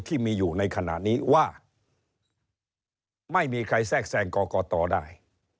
ที่มีอยู่ในขณะนี้ว่าไม่มีใครแทรกแทรงกรกตได้